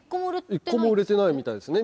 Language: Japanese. １個も売れてないみたいですね